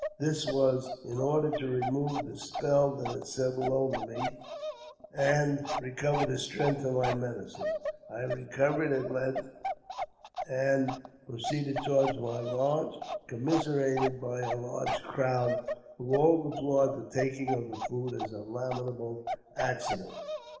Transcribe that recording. This was in order to remove the spell that had settled over me, and recover the strength of my medicine. I recovered at length, and proceeded toward my lodge, commiserated by a large crowd, who all deplored the taking of the food as a lamentable accident.